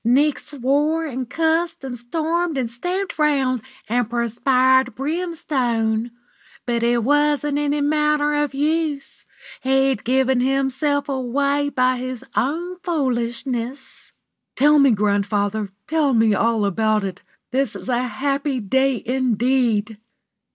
Nick swore and cussed and stormed and stamped round and perspired brimstone; but it wasn't any manner of use. He'd given himself away by his own foolishness." "Tell me, grandfather, tell me all about it. This is a happy day indeed!"